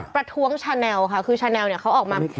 ประท้วงชาเนลคือชาเนลเขาออกมา